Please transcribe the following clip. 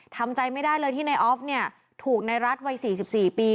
ทำใจไม่ได้เลยที่นายออฟเนี่ยถูกในรัฐวัย๔๔ปี